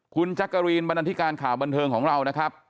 คุณจักรีนบรรณาธิการข่าวบันเทิงของเรานะครับ